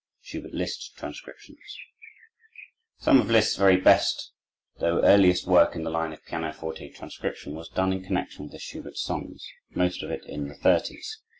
Schubert Liszt: Transcriptions Some of Liszt's very best though earliest work in the line of pianoforte transcription was done in connection with the Schubert songs; most of it in the thirties.